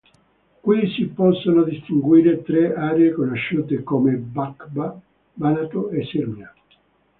Qui si possono distinguere tre aree conosciute come Bačka, Banato e Sirmia.